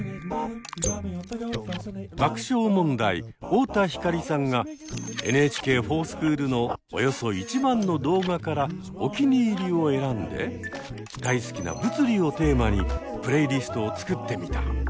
爆笑問題太田光さんが「ＮＨＫｆｏｒＳｃｈｏｏｌ」のおよそ１万の動画からおきにいりを選んで大好きな「物理」をテーマにプレイリストを作ってみた。